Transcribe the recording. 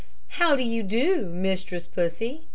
How do you do, Mistress Pussy?